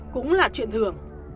cũng là chuyện thường